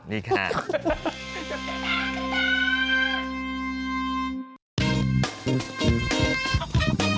นี่ค่ะอ้าว